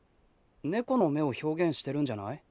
猫の目を表現してるんじゃない？